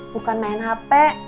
bukan main hp